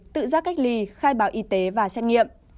tự giác cách ly khai báo y tế và xét nghiệm